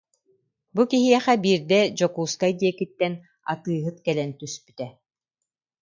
Бу киһиэхэ биирдэ Дьокуускай диэкиттэн атыыһыт кэлэн түспүтэ